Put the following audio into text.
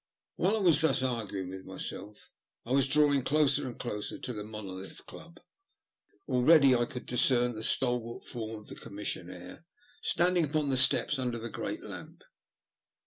While I was thus arguing with myself I was drawing closer and closer to the Monolith Club. Already I could discern the stalwart form of the com missionaire standing upon the steps under the great lamp.